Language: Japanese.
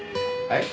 はい？